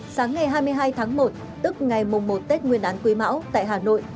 sáng ngày hai mươi hai tháng một tức ngày mùng một tết nguyên đán quý mão tại hà nội